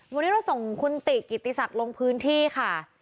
วันนี้เราส่งคุณติกิติศักดิ์ลงพื้นที่ค่ะ